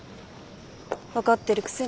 分かってるくせに。